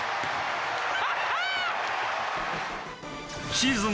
シーズン